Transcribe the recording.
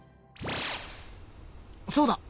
そうだ。